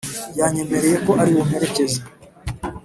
yanyememereye ko ari bumperekeze